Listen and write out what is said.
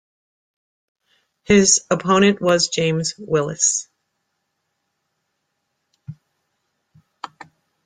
His opponent was James Willis.